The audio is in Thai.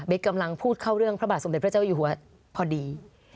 กำลังพูดเข้าเรื่องพระบาทสมเด็จพระเจ้าอยู่หัวพอดี